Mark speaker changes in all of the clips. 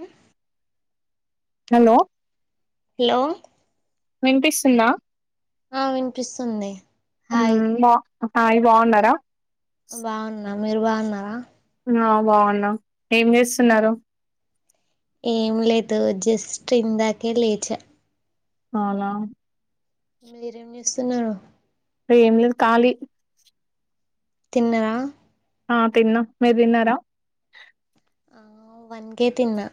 Speaker 1: ఉ
Speaker 2: hello
Speaker 1: hello
Speaker 2: వినిపిస్తుందా
Speaker 1: ఆ వినిపిస్తుంది హాయ్
Speaker 2: ఉమ్ మా హయ్ బాగున్నారా
Speaker 1: బాగున్న మీరు బాగున్నారా
Speaker 2: ఆ బాగున్నాం ఏం చేస్తున్నరు
Speaker 1: ఏం లేదు జస్ట్ ఇందాకే లేచ
Speaker 2: అలా
Speaker 1: మీరేమని ఇస్తున్నారును
Speaker 2: ఏం లేదు ఖాళీ
Speaker 1: తిన్నరా
Speaker 2: ఆ తిన్న మీరు తిన్నారా
Speaker 1: ఆ వన్గే తిన్నా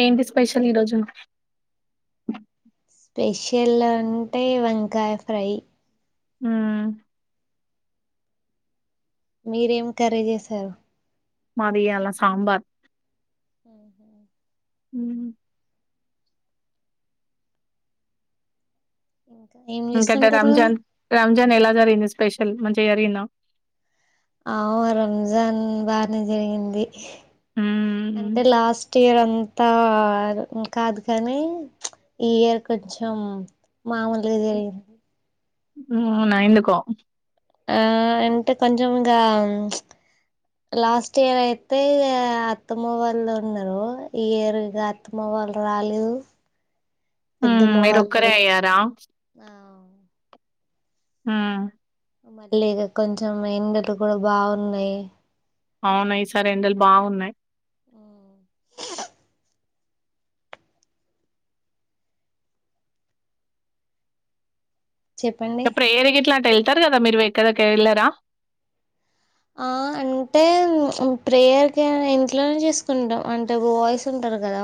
Speaker 2: ఏంటి స్పెషల్ ఈరోజు
Speaker 1: స్పెషల్ అంటే వంకాయ ఫ్రై
Speaker 2: హ
Speaker 1: మీరేం కరిచేసారు
Speaker 2: మాదాల సాబార్
Speaker 1: ఉహ్
Speaker 2: హ
Speaker 1: ఇంకా ఏం
Speaker 2: కా
Speaker 1: చేస్తుంటారు
Speaker 2: రామ్జాన్ ర రామ్జాన్ ఎలా జరీంది స్పెషల్ మంచి జరిగిందా
Speaker 1: ఆ రంజాన్ బాగానే జరిగింది
Speaker 2: మ్మ్
Speaker 1: అంటే లాస్ట్ ఇయర్ అంతా కాదు కానీ ఈ ఇయర్ కొంచెం మామూలులు జరిగింది
Speaker 2: అవున ఎందుకో
Speaker 1: ఆ అంటే కొంచెం ఇగ లాస్ట్ ఇయర్ అయితే అత్తమ్మ వాళ్ళు ఉన్నారు ఈ ఇయర్ ఇగ అత్తమ్మ వాళ్ళు రాలేదు పెద్దమ్మ
Speaker 2: మీర
Speaker 1: వాళ్ళు
Speaker 2: ఒక్కరే అయ్యారా
Speaker 1: ఆ
Speaker 2: ఆా
Speaker 1: మళ్ళీ ఇక కొంచెం ఎండలు కూడా బాగున్నాయి
Speaker 2: అవునాయి సార్ ఎండలు బాగున్నాయి్
Speaker 1: అ చెప్పండి
Speaker 2: ఇ ప్రేరికి ఎట్లాట అంటారు కదా మీరు ఎక్కదకి వెళ్ళారా
Speaker 1: ఆ అంటే ప్రేయర్ కేం ఇంట్లోనే చేసుకుంటాం అంటే బాయ్స్ ఉంటారు కదా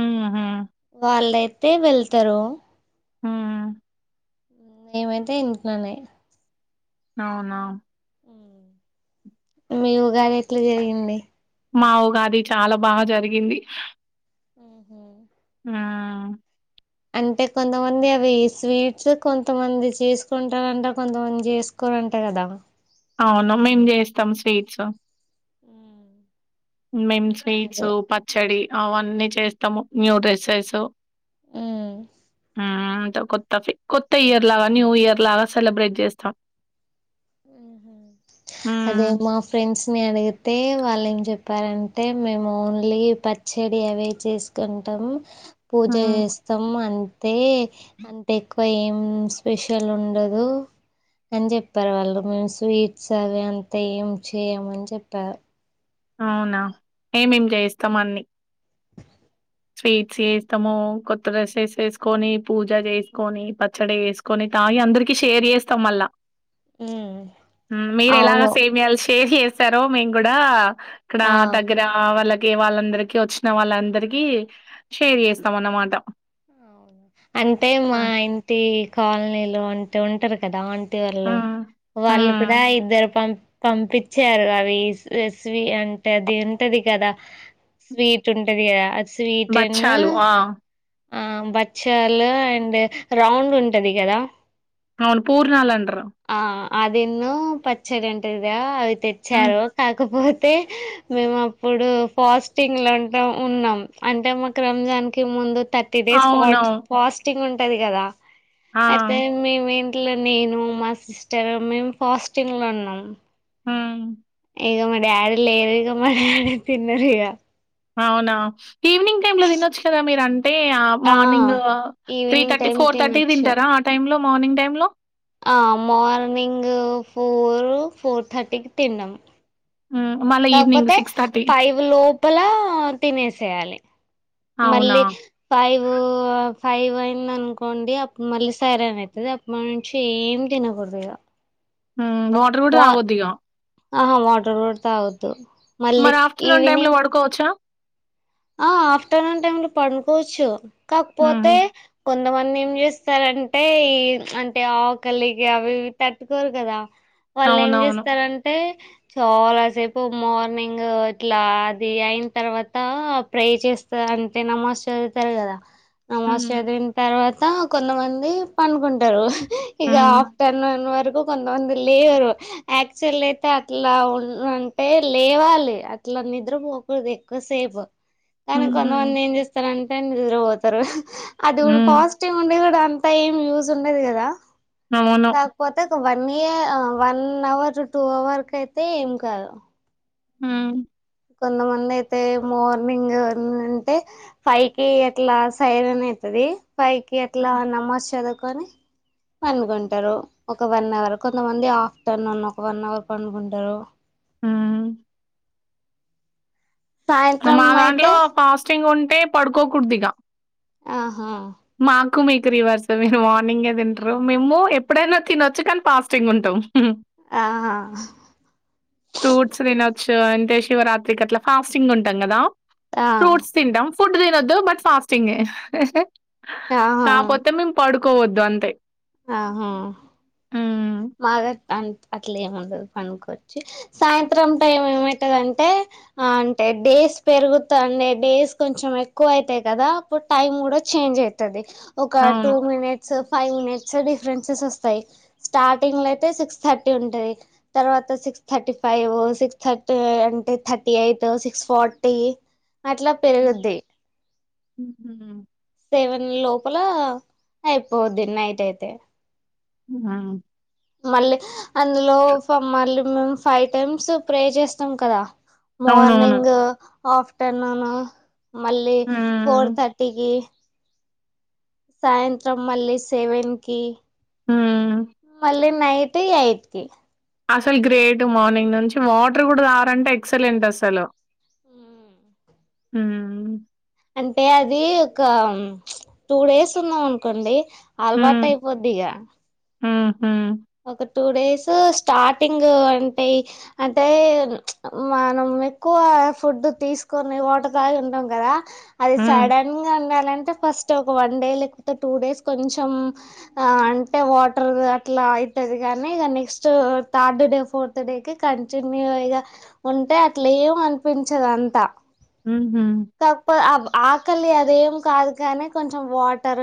Speaker 2: మ్మ్ హ్మ్
Speaker 1: వాళ్ళైత్ టే వెళ్తరు
Speaker 2: హ
Speaker 1: ఏమైతే వింటున్నానే
Speaker 2: అవునా
Speaker 1: మీ ఉగాది ఎట్ల జరిగింది
Speaker 2: మా గాది చాలా బాగా జరిగింది
Speaker 1: ఆహ
Speaker 2: ఆ
Speaker 1: అంటే కొంతమంది అవి స్వీట్స్ కొంతమంది చేసుకుంటారంటారు కొంతమంది చేసుకోరంటే కదా
Speaker 2: అవునా మేం చేస్తాం స్వీట్స్
Speaker 1: ఉ
Speaker 2: మేమ్ స్వీట్స్ పచ్చడి అవన్ అన్నీ చేస్తాము న్యూ డ్రెస్సెస్
Speaker 1: ఉమ్
Speaker 2: ఆా కొత్త కొత్త ఇయర్ లాగా న్యూ ఇయర్ లాగా సెలబ్రేట్ చేస్తాం
Speaker 1: ఆహ అదే
Speaker 2: హ్మ్
Speaker 1: మా ఫ్రెండ్స్ ని అడిగితే వాళ్ళం చెప్పారంటే మేము ఓన్లీ పచ్చడి అవే చేసుకుంటాము పూజ
Speaker 2: హ్మ్
Speaker 1: చేస్తాం అంత ఐతే అంటే ఎక్కువ ఏమ్ ఉ స్పెషల్ ఉండదు అని చెప్పార్ వాళ్ళు మేము స్వీట్స్ అవి అంత ఏం చేయమని చెప్పారు
Speaker 2: అవునా
Speaker 1: ఉ
Speaker 2: ఏమేం చేయిస్తామ అన్ని స్వీట్స్ వేస్తాము. కొత్త డ్రెస్సెస్ వేసుకొని పూజ చేసుకొని పచ్చడి వేసుకొని తావి అందరికి షేర్ చేస్తాం మళ్ళా.
Speaker 1: ఉమ్
Speaker 2: మీరు ఎలాగ
Speaker 1: అవును
Speaker 2: సేమీయాలు చేయాల్సి ఏసీ చేస్తార మేము కూడా కడా
Speaker 1: ఆ
Speaker 2: తగరా వాళ్ళ తె వాళ్ళందరికి వచ్చిన వాళ్ళందరికి షేర్ చేస్తాం అన్నమాట.
Speaker 1: అంటే మా ఇంటి కాలనీలు అంటే అ ఉంటారు కదా అంట వాళ్ళ
Speaker 2: హ్మ్.
Speaker 1: వాళ్ళు
Speaker 2: హ్మ్.
Speaker 1: కూడా ఇద్దరు పంపి పంపించారు అవి స్వీ అంటే అది ఉంటది, కదా స్వీట్ ఉంటది కదా అది. స్వీట్ ను
Speaker 2: బచ్చాలు ఆ
Speaker 1: ఆ బచ్చాలు అండ్ రౌండ్ ఉంటది కదా.
Speaker 2: అవును పూర్ణాలంటారు
Speaker 1: అదిన్నో పచ్చడి ఉంటది
Speaker 2: హ్మ్.
Speaker 1: తెచ్చారు కాకపోతే మేము అప్పుడు ఫాస్టింగ్లు ఉంటాం ఉన్నాం. అంటే మా రంజన్ ముందు థర్టీ డేస్ స్పాట్
Speaker 2: అవునవును.
Speaker 1: ఫాస్టింగ్ ఉ ఉంటది కదా
Speaker 2: ఆ!
Speaker 1: అయితే మీ మీ ఇంట్లో నేను మా సిస్టర్ మేము ఫాస్టింగ్ లో ఉన్నాం.
Speaker 2: ఉ
Speaker 1: ఇగ మా డాడీ లేరు ఇగ మా డాడీ తిన్నారు ఇగ.
Speaker 2: అవునా ఈవినింగ్ టైమ్ లో తినొచ్చు కదా మీరు అ అంటే
Speaker 1: ఆ
Speaker 2: morning three
Speaker 1: evening
Speaker 2: thirty,
Speaker 1: time
Speaker 2: four thirty
Speaker 1: తినొచ్చు
Speaker 2: తింటారా ఆ టైమ్ లో మార్నింగ్ టైమ్ లో
Speaker 1: ఆ మార్నింగ్ ఫోరు ఫోర్ థర్టీకి తిన్నాము.
Speaker 2: హ్మ్. మళ్ళా ఈవినింగ్
Speaker 1: కాకపోతే ఫైవ్ లోపల తినేసేయాలి.
Speaker 2: అవునా!
Speaker 1: మళ్ళీ ఫైవ్ ఫైవ్ అయింది అనుకోండి అప్పుడు మళ్ళీ సైరన్ అయితది. అప్పటి నుంచి ఏం తినకూడదు ఇగ.
Speaker 2: హు వాటర్ కూడా
Speaker 1: వా
Speaker 2: తాగొద్ది ఇక
Speaker 1: ఆహా వాటర్ కూడా తగోత
Speaker 2: మరి ఆఫ్టర్నూన్ టైమ్ లో పడుకోవచ్చా.
Speaker 1: ఆ ఆఫ్టర్నూన్ టైమ్ లో పడుకోవచ్చు.
Speaker 2: హ్మ్.
Speaker 1: కాకపోతే కొంత కొంతమంది ఏం చేస్తారంటే ఈ అంటే ఆకలికి అవి ఇవి తట్టుకోరు కదా వాళ్ళు ఏం
Speaker 2: అవునవును.
Speaker 1: చేస్తారంటే చాలాసేపు మార్నింగ్ ఇట్లా అది అయిన తర్వాత ప్రే చేస్తారు అంటే నమోజ్ చదువుతారు కదా నమాస్
Speaker 2: హ్మ్.
Speaker 1: చదివిన తర్వాత అ కొంతమంది పడుకుంటారు ఇక
Speaker 2: హ్మ్.
Speaker 1: ఆఫ్టర్నూన్ వరకు ఎ కొంతమంది లేరు యాక్చువల్ అయితే అట్లా ఉ అంటే లేవాలి అట్లా నిద్రపోకూడదు ఎక్కువసేపు కానీ
Speaker 2: హుహు.
Speaker 1: కొంతమంది ఏం చేస్తారంటే చం్ర పోతారు అది ఉడ్
Speaker 2: హ్మ్.
Speaker 1: పాసిటివ్ ఉండి గూడ అన్ ఇంత ఏం యూజ్ ఉండేది కదా
Speaker 2: అవును.
Speaker 1: కాకపోతే ఒక మీ వన్ అవర్ టూ అవర్ క అయితే ఏం కాదు
Speaker 2: హ
Speaker 1: కొంతమంది అయితే మార్నింగ్ అంటే ఫైవ్ కి ఎట్లా సైర్ అన్ అవుతుది పైకి ఎట్లా నమ్మార్ చదువు కని పండుగొంటారు ఒక వన్ అవర్ కొంతమంది ఆఫ్టర్నూన్ ఒక వన్ అవర్ పండుగంటారు
Speaker 2: ఆ
Speaker 1: సాయంత్రం
Speaker 2: మా
Speaker 1: అయితే
Speaker 2: దాంట్లో ఫాస్టింగ్ ఉ అంటే పడుకోకూడదుగా
Speaker 1: ఆహా
Speaker 2: మాకు మీకు రివర్స్ మీరు మార్నింగే తింటారు మేము ఎప్పుడైనా తినొచ్చు కానీ ఫస్టింగ్ ఉంటాం
Speaker 1: ఆహ
Speaker 2: చ్చో అంటే శివరాత్రికి అట్లా ఫాస్టింగ్ ఉంటాం కదా
Speaker 1: ఆ
Speaker 2: ఫ్రూట్స్ తింటాం ఫుడ్ తినొద్దు బట్ ఫాస్టింగే
Speaker 1: ఆహా
Speaker 2: కాకపోతే మేము పడు కోవద్దు అంతే హ్మ్.
Speaker 1: మాగర్ అం అట్లేం ఉండదు పనికొచ్చి సాయంత్రం టైం ఏమయితది అంటే అంటే డేస్ పెరుగుతండే డేస్ కొంచెం ఎక్కువ అవుతాయి కదా అప్పుడు టైం కూడా చేంజ్ అయితది ఒక టూ
Speaker 2: అవును.
Speaker 1: మినిట్స్ ఫైవ్మింటీస్ డిఫరెన్సెస్ వస్తాయి స్టార్టింగ్ లో అయితే సిక్స్ థర్టీ ఉంటుంది తర్వాత six thirty five six thirty అంటే థర్టీ ఎయిట్ సిక్స్ ఫార్టీ అట్లా పెరుగుద్ది
Speaker 2: ఉహ
Speaker 1: సెవెన్ లోపల అయిపోద్ది నైట్ అయితే
Speaker 2: ఆ
Speaker 1: మళ్ళీ అందులో మళ్ళీ మేము ఫైవ్ టైమ్స్ ప్రే చేస్తాం కదా
Speaker 2: అవునవును.
Speaker 1: మార్నింగ్ ఆఫ్టర్నూన్ మళ్ళీ ఫోర్
Speaker 2: హ్మ్.
Speaker 1: థర్టీకి సాయంత్రం మళ్ళీ సేవెన్ కి
Speaker 2: హ్మ్.
Speaker 1: మళ్ళీ నైట్ ఎయిట్ కి
Speaker 2: అసలు గ్రేట్ మార్నింగ్ నుంచి వాటర్ కూడా తాగరంటే ఎక్సలెంట్ అసలు
Speaker 1: ఉ
Speaker 2: హ
Speaker 1: అంటే అది ఒక టూ డేస్ ఉన్నాం అనుకోండి అలవాటు అయిపోద్దిగ
Speaker 2: ఆ
Speaker 1: ఒకట్ టూడేస్ స్టార్టింగ్ అంటే అంటే మనం ఎక్కువ ఫుడ్ తీసుకొని వాటర్ తాగి ఉంటాం కదా అది
Speaker 2: హ్మ్.
Speaker 1: సడన్ గా ఉండాలంటే అంటే ఫస్ట్ ఒక వన్ డే లేకపోతే టూడేస్ కొంచెం అంటే వాటర్ అట్లా ఉంటది కాగాని ఇక నెక్స్ట్ థర్డడే ఫోర్త్ డే కి కంటిన్యూ ఇ ఉంటే అట్లా ఏమ అనిపించదు అంతా
Speaker 2: హుహు.
Speaker 1: కాకపోతే ఆవ్ ఆకలి అది అదేం కాదు కానీ కొంచెం వాటర్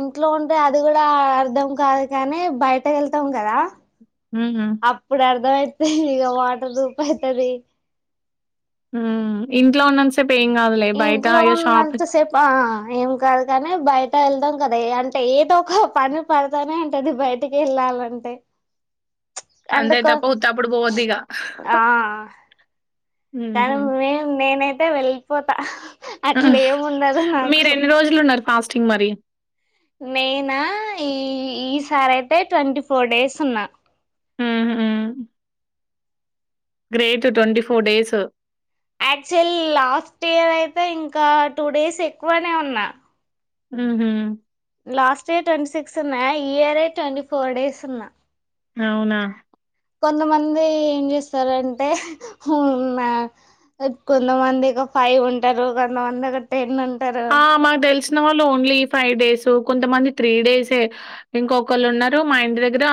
Speaker 1: ఇంట్లో ఉంటే అది కూడా అర్ధం కాదు కానీ బయట వెళ్తాం కదా
Speaker 2: హ్మ్.
Speaker 1: అప్పుడు అర్ధమ ఇ వాటర్ ధూప అయితది
Speaker 2: ఉ ఇంట్లో ఉన్నాని సెప్ పేయింగ్ కాదులే బయట
Speaker 1: ఇంట్లో
Speaker 2: అయ షాప్
Speaker 1: ఉన్నంతసేపు ఆ ఏం కాదు కానీ బయట వెళ్దాం కదా అంటే ఏదో ఒక పని పడతానే ఉంటేది బయటికి వెళ్ళాలంటే అంటే
Speaker 2: అంతయి
Speaker 1: కొ
Speaker 2: తప్ప ఉత్త అప్పుడు పోవద్దుఇగా
Speaker 1: కనీ మే నేనే అతే వెళ్ళిపోతా
Speaker 2: ఆ
Speaker 1: అట్లే ఏముండదు
Speaker 2: మీరు
Speaker 1: నాకు
Speaker 2: ఎన్ని రోజులు ఉన్నారు ఫస్ట్ తిన్ మరి
Speaker 1: నేనా ఈ ఈ సారి అయితే ట్వంటీ ఫోర్ డేస్ ఉన్నా
Speaker 2: హుహు. Great twenty four days
Speaker 1: actual last year అయితే ఇంకా టూ డేస్ ఎక్కువనే ఉన్నా
Speaker 2: ఉ హు
Speaker 1: లాస్ట్ ఇయర్ ట్వంటీ సిక్స్ ఉన్నా ఈ ఇయరే ట్వంటీ ఫోర్ డేస్ ఉన్నా
Speaker 2: అవునా
Speaker 1: కొంతమంది ఏం చేస్తారు అంటే కొంతమంది ఒక ఫైవ్ ఉంటారు కొంతమంది ఒక టెన్ ఉ
Speaker 2: ఆ మాకు తెలిసిన వాళ్ళు ఓన్లీ ఫైవ్ డేస్ సో కొంతమంది త్రీ డేసే ఇంకొకళ్ళు ఉన్నారు మా ఇంటి దగ్గర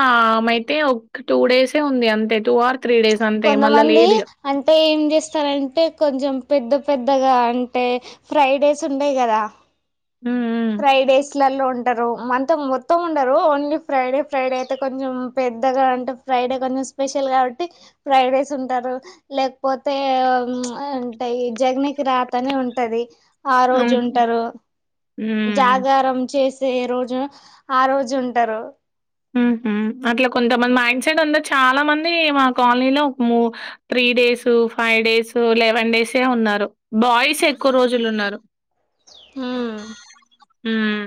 Speaker 2: అయితే ఒక టూ డేసే ఉంది అంతే ఆర్ డేస్ అంతే మళ్ళా
Speaker 1: కొంతమంది
Speaker 2: లేదిగ.
Speaker 1: అంటే ఏం చేస్తారంటే కొంచెం పెద్ద పెద్దగా అంటే ఫ్రైడేస్ ఉండయి కదా
Speaker 2: హ్మ్.
Speaker 1: ఫ్రైడేస్ ల్లో ఉంటారు అంతం మొత్తం ఉండరు ఓన్లీ ఫ్రైడే ఫ్రైడే అయితే కొంచెం పెద్దగా అంటే ఫ్రైడే కొంచెం స్పెషల్ కాబట్టి ఫ్రైడేస్ ఉంటారు లేకపోతే అంటే జగనీకి రాత అని ఉంటది ఆ
Speaker 2: హ్మ్. ఆహా!
Speaker 1: రోజుంటారు
Speaker 2: హ్మ్.
Speaker 1: జాగరం చేస్ ఏ రోజు ఆ రోజు ఉంటారు
Speaker 2: హు హుమ్ అట్లా కొంతమంది మైండ్ సెట్ ఉంది చాలా మంది మా కాలనీలో ఒకూ three days five days eleven డేసే ఉన్నారు బాయ్స్ ఎక్కువ రోజులు ఉన్నారు [inaudible]
Speaker 1: హ్మ్
Speaker 2: మ్మ్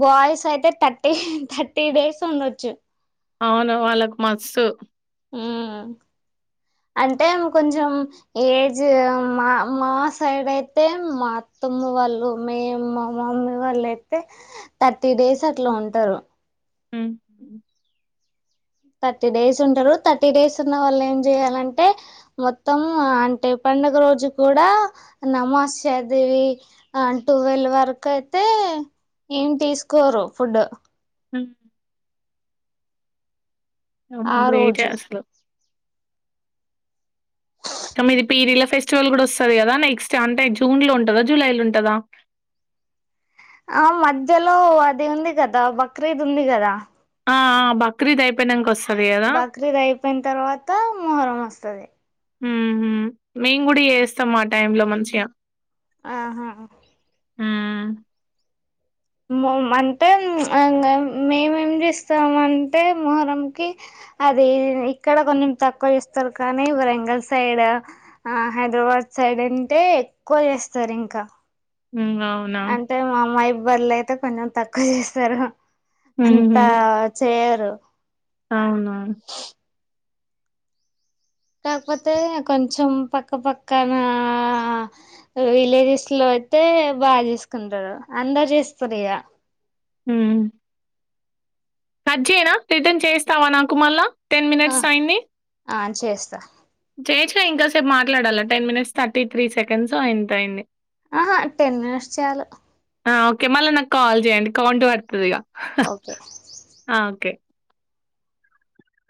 Speaker 1: బాయ్స్ అయితే థర్టీ థర్టీ డేస్ ఉండొచ్చు
Speaker 2: అవును వాళ్ళకు మస్సు
Speaker 1: మ్మ్ అంటే ఆమె కొంచెం ఏజ్ మా మా సైడ్ అయితే మా అత్తమ్మ వాళ్ళు మేము మా మమ్మీ వాళ్ళు అయితే థర్టీ డేస్ అట్లా ఉంటారు
Speaker 2: హ్మ్.
Speaker 1: థర్టీ డేస్ ఉంటారు థర్టీ డేస్ ఉన్న వాళ్ళు ఏం చేయాలంటే మొత్తం అంటే పండగ రోజు కూడా నమాజ్ చదివి ఆ టువెల్వ్ వరకు అయితే ఏం తీసుకోరు ఫుడ్
Speaker 2: హ అమ్మో
Speaker 1: ఆ
Speaker 2: గ్రేట్ా
Speaker 1: రోజు
Speaker 2: అసలు మీది పీరిల్లా ఫెస్టివల్ కూడా వస్తది కదా నెక్స్ట్ అంటే జూన్ లో ఉంటదా జూలై లో ఉంటదా
Speaker 1: ఆ మధ్యలో అది ఉంది గదా బక్రీద్ ఉంది కదా
Speaker 2: ఆ బక్రీద్ అయిపోయినాంక వస్
Speaker 1: బక్రీదు అయిపోయిన తర్వాత మొహరం వస్తది
Speaker 2: హు హుమ్ మేము కూడా ఏస్తాం ఆ టైమ్ లో మంచిగా
Speaker 1: ఆహ్ హ
Speaker 2: హుమ్
Speaker 1: మో మాంటే మేమేం చేస్తామంటే మొహరంకి అది ఇక్కడ కొంచెం తక్కువ చేస్తారు కానీ వరంగల్ సైడ్ ఆ హైదరాబాద్ సైడ్ అంటే ఎక్కువ చేస్తారు ఇంకా
Speaker 2: హుం గవునా
Speaker 1: వళ్లు అయితే కొంచెం తక్కువ చేస్తారు
Speaker 2: హుహు.
Speaker 1: అంతా చేయరు
Speaker 2: అవునా
Speaker 1: కాకపోతే కొంచెం పక్కపక్కన విలేజెస్ లో అయితే బా చేసుకుంటాారు అందరు చేసుకోరు ఇగ
Speaker 2: హుం కట్ చేయనా రిటర్న్ చేస్తావా నాకు మళ్ళా టెన్ మినిట్స్ అయ్యింది
Speaker 1: ఆ చేస్తా
Speaker 2: చేయొచ్చుగా ఇం కాసేపు మాట్లాడాలా ten minutes thirty three seconds ఎంతో అయింది
Speaker 1: ఆహా టెన్ మినిట్స్ చాలు
Speaker 2: ఓకే మళ్ళ నాకు కాల్ చేయండి కౌంట్ పడుతుందిగా
Speaker 1: ఓకే
Speaker 2: ఆ ఓకే